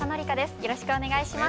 よろしくお願いします。